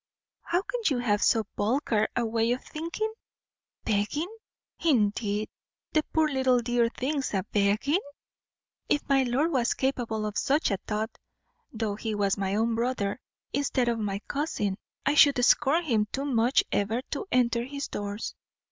How can you have so vulgar a way of thinking? Begging, indeed! the poor little dear things a begging! If my lord was capable of such a thought, though he was my own brother instead of my cousin, I should scorn him too much ever to enter his doors."